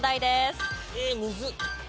えむずっ。